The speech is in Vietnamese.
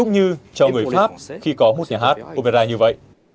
như cho người pháp khi có một nhà hát opera như vậy